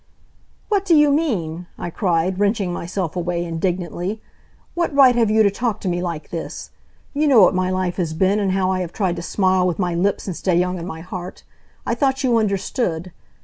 "What do you mean!" I cried, wrenching myself away indignantly. "What right have you to talk to me like this? You know what my life has been, and how I have tried to smile with my lips and stay young in my heart! I thought you understood.